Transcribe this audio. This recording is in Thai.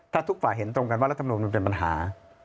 ถ้าทุกฝ่ายเห็นตรงกันว่ารัฐมนุนมันเป็นปัญหา